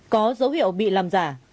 có dấu hiệu bị làm giả